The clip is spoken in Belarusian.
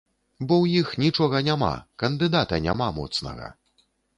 Бо ў іх нічога няма, кандыдата няма моцнага.